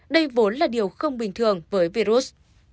đây vốn là điều không bình thường với virus